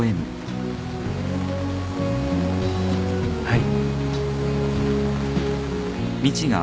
はい。